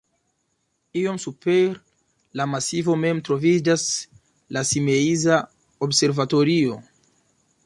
Iom super la masivo mem troviĝas la Simeiza observatorio.